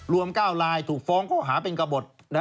รวม๙รายถูกฟ้องข้อหาเป็นกบท